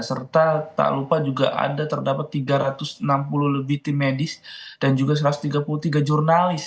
serta tak lupa juga ada terdapat tiga ratus enam puluh lebih tim medis dan juga satu ratus tiga puluh tiga jurnalis